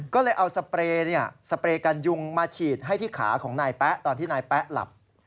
ก็เลยเอาสเปรย์สเปรย์กันยุงมาฉีดให้ที่ขาของนายแป๊ะตอนที่นายแป๊ะหลับ